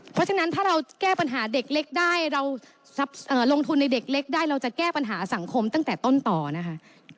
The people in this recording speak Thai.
เพราะฉะนั้นถ้าเราแก้ปัญหาเด็กเล็กได้เราลงทุนในเด็กเล็กได้เราจะแก้ปัญหาสังคมตั้งแต่ต้นต่อนะคะ